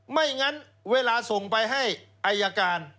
ไม่งั้นเวลาส่งไปให้อายการ